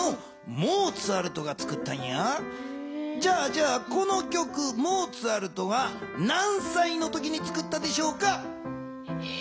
じゃあこの曲モーツァルトが何歳の時につくったでしょうか？